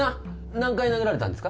何回殴られたんですか？